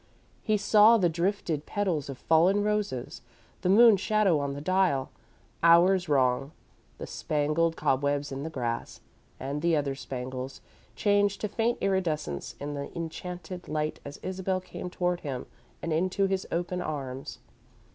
He saw the drifted petals of fallen roses, the moon shadow on the dial, hours wrong, the spangled cobwebs in the grass and the other spangles, changed to faint iridescence in the enchanted light as Isabel came toward him and into his open arms.